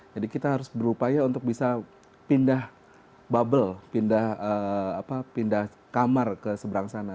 jadi kita harus berupaya untuk bisa pindah bubble pindah kamar ke seberang sana